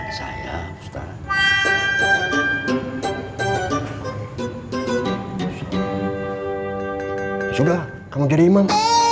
sudah kamu jadi imam